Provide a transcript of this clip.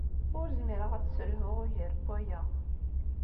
Ur zmireɣ ad t-sselhuɣ ugar n waya.